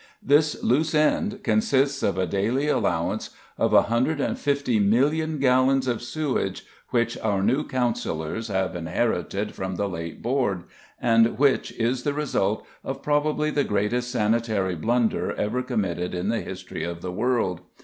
This "loose end" consists of a daily allowance of 150,000,000 gallons of sewage, which our new councillors have inherited from the late Board, and which is the result of probably the greatest sanitary blunder ever committed in the history of the world.